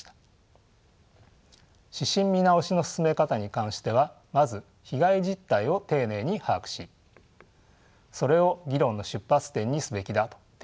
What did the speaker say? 指針見直しの進め方に関してはまず被害実態を丁寧に把握しそれを議論の出発点にすべきだと提言しました。